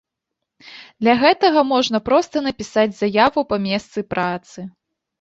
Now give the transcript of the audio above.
Для гэтага можна проста напісаць заяву па месцы працы.